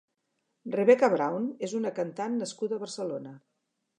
Rebeka Brown és una cantant nascuda a Barcelona.